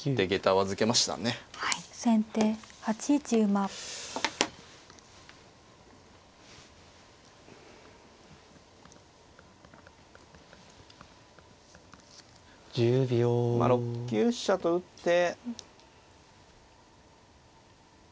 まあ６九飛車と打って。